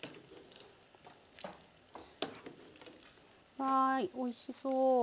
はいおいしそう。